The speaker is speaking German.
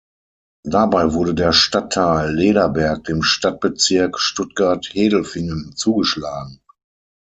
Dabei wurde der Stadtteil Lederberg dem Stadtbezirk Stuttgart-Hedelfingen zugeschlagen.